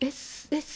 え？